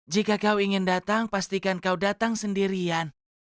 jika kau ingin datang pastikan kau datang sendirian